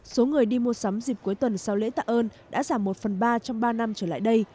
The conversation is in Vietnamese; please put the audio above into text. số người đi mua sắm dịp cuối tuần sau lễ tạ ơn đã giảm một phần ba trong ba năm trở lại đây